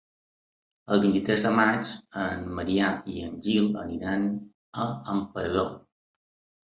El vint-i-tres de maig en Maria i en Gil aniran a Emperador.